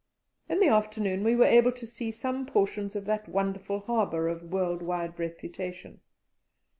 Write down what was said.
In the afternoon we were able to see some portions of that wonderful harbour, of worldwide reputation.